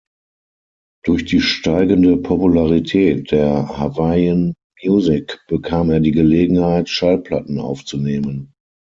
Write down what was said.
Durch die steigende Popularität der Hawaiian Music bekam er die Gelegenheit, Schallplatten aufzunehmen.